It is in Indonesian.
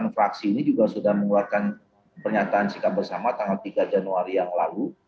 sembilan fraksi ini juga sudah mengeluarkan pernyataan sikap bersama tanggal tiga januari yang lalu